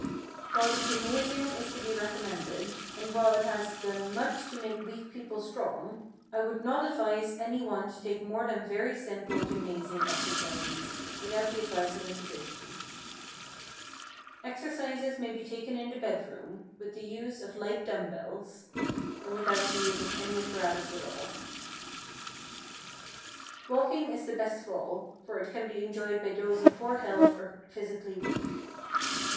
While the gymnasium is to be recommended, and while it has done much to make weak people strong, I would not advise any one to take more than very simple gymnasium exercises without the advice of a physician. Exercises may be taken in the bedroom, with the use of light dumb bells, or without the use of any apparatus at all. Walking is the best of all, for it can be enjoyed by those in poor health or physically weak.